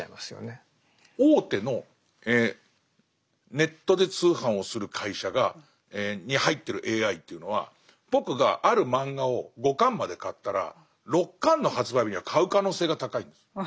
大手のネットで通販をする会社に入ってるＡＩというのは僕がある漫画を５巻まで買ったら６巻の発売日には買う可能性が高いんです。